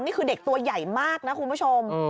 นี่คือเด็กตัวใหญ่มากนะคุณผู้ชม